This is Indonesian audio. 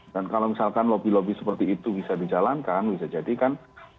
dan kalau misalkan lobby lobby seperti itu bisa dijalankan bisa jadi kan